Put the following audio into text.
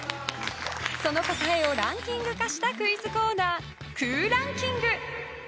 その答えをランキング化したクイズコーナー、空欄キング。